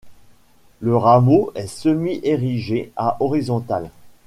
Le rameau est semi érigé à horizontal.